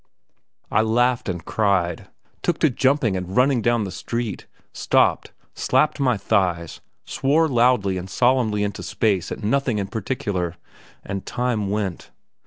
I laughed and cried, took to jumping and running down the street, stopped, slapped my thighs, swore loudly and solemnly into space at nothing in particular. And time went.